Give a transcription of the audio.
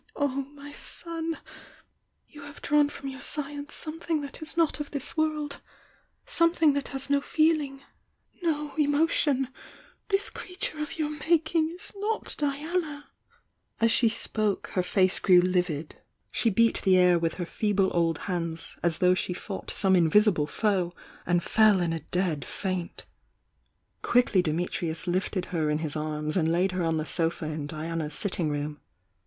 Oh, my son!— you have drawn from your science something that is not of this world! m THE YOUNG DIANA 817 — something that has no feeling — no emotion I — this creature of your making is not Dianal" As she spoke her face grew livid, — she beat the air with her feeble old hands, as though she fought some invisible foe, and fell in a dead faint. Quickly Dimitrius lifted her in his arms, and laid her on the sofa in Diana's sitting room.